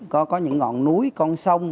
có những ngọn núi con sông